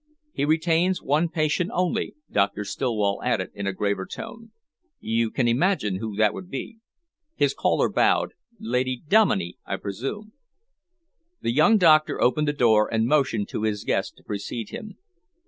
He retains one patient only," Doctor Stillwell added, in a graver tone. "You can imagine who that would be." His caller bowed. "Lady Dominey, I presume." The young doctor opened the door and motioned to his guest to precede him.